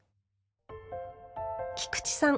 菊池さん